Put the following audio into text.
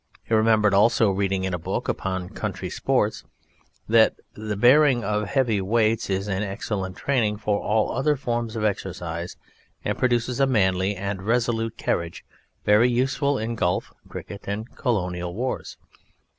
He remembered also reading in a book upon "Country Sports" that the bearing of heavy weights is an excellent training for all other forms of exercise, and produces a manly and resolute carriage, very useful in golf, cricket and Colonial wars.